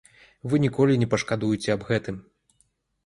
Вы ніколі не пашкадуеце аб гэтым.